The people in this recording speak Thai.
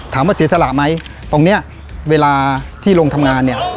เสียสละไหมตรงเนี้ยเวลาที่ลงทำงานเนี่ย